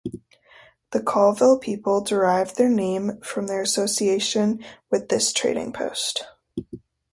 The Colville people derive their name from their association with this trading post.